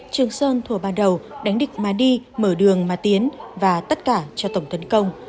trường sơn thùa ban đầu đánh địch ma đi mở đường ma tiến và tất cả cho tổng tấn công